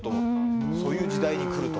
そういう時代に来ると。